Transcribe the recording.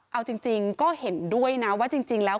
เอาจริงก็เห็นด้วยนะว่าจริงแล้ว